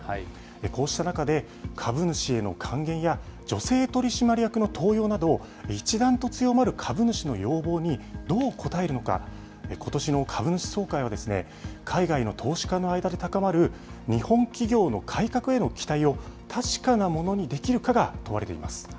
こうした中で、株主への還元や、女性取締役の登用など、一段と強まる株主の要望にどう応えるのか、ことしの株主総会は海外の投資家の間で高まる日本企業の改革への期待を確かなものにできるかが問われています。